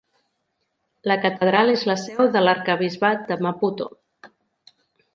La catedral és la seu de l'arquebisbat de Maputo.